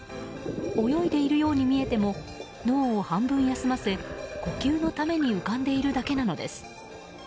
泳いでいるように見えても脳を半分休ませ呼吸のために浮かんでいるだけなのです。